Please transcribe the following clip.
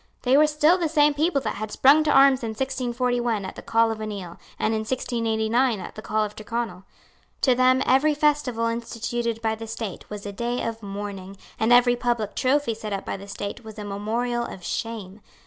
They were still the same people that had sprung to arms in 1641 at the call of O'Neill, and in 1689 at the call of Tyrconnel. To them every festival instituted by the State was a day of mourning, and every public trophy set up by the State was a memorial of shame.